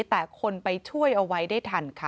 แต่คนไปช่วยเอาไว้ได้ทันค่ะ